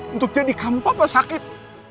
untuk jadi kamu papa sakit